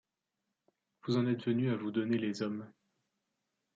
Vous en êtes venus à vous donner les hommes